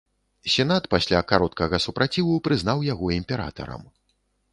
Сенат, пасля кароткага супраціву, прызнаў яго імператарам.